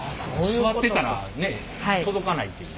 座ってたらね届かないっていう。